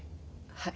はい。